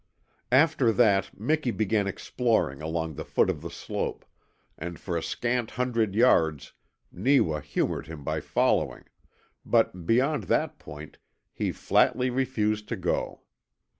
After that Miki began exploring along the foot of the slope, and for a scant hundred yards Neewa humoured him by following, but beyond that point he flatly refused to go.